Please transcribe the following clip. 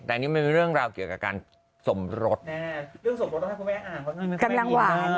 แต่อันนี้มันมีเรื่องราวเกี่ยวกับการสมรสเรื่องสมรสถ้าคุณแม่อ่านก่อนหนึ่ง